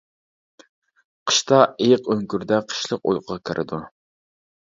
قىشتا ئېيىق ئۆڭكۈردە قىشلىق ئۇيقۇغا كىرىدۇ.